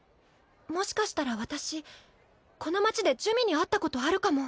もしかしたら私この町で珠魅に会ったことあるかも。